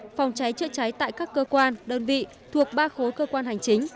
phòng cháy chữa cháy tại các cơ quan đơn vị thuộc ba khối cơ quan hành chính